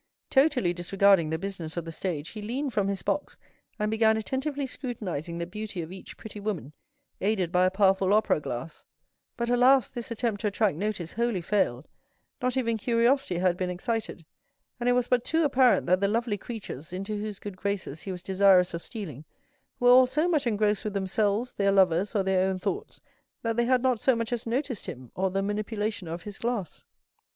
Totally disregarding the business of the stage, he leaned from his box and began attentively scrutinizing the beauty of each pretty woman, aided by a powerful opera glass; but, alas, this attempt to attract notice wholly failed; not even curiosity had been excited, and it was but too apparent that the lovely creatures, into whose good graces he was desirous of stealing, were all so much engrossed with themselves, their lovers, or their own thoughts, that they had not so much as noticed him or the manipulation of his glass.